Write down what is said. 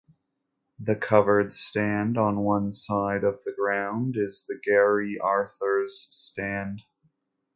The covered stand on one side of the ground is the Gerry Arthurs Stand.